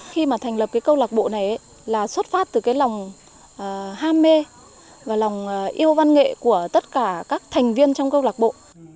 khi mà thành lập cái câu lạc bộ này là xuất phát từ cái lòng ham mê và lòng yêu văn nghệ của tất cả các thành viên trong câu lạc bộ